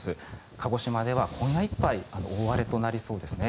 鹿児島では今夜いっぱい大荒れとなりそうです。